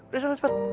udah selesai cepet